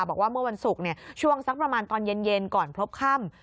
บอกว่าเมื่อวันศุกร์ช่วงสักประมาณตอนเย็นก่อนพบค่ำ